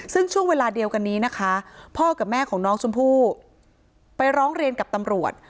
ซึ่งช่วงเวลาเดียวกันนี้นะคะพ่อกับแม่ของน้องชมพู่ไปร้องเรียนกับตำรวจ